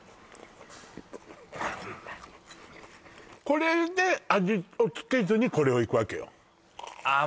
これで味をつけずにこれをいくわけよああ